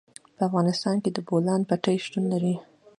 په افغانستان کې د بولان پټي شتون لري.